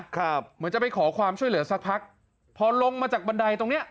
เหมือนจะไปขอความช่วยเหลือสักพักพอลงมาจากบันไดตรงเนี้ย